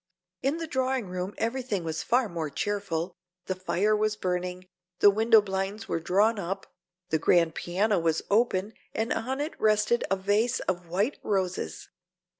In the drawing room everything was far more cheerful, the fire was burning, the window blinds were drawn up, the grand piano was open and on it rested a vase of white roses.